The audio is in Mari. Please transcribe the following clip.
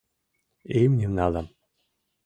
— Имньым налам.